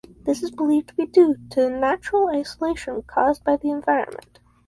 This is believed to be due to the natural isolation caused by the environment.